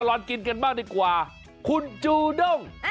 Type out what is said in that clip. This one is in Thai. ตลอดกินกันบ้างดีกว่าคุณจูด้ง